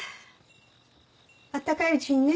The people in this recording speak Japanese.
あったかいうちにね。